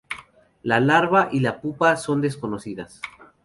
La larva y la pupa son desconocidas.